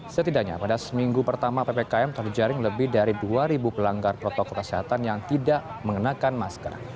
setidaknya pada seminggu pertama ppkm terjaring lebih dari dua pelanggar protokol kesehatan yang tidak mengenakan masker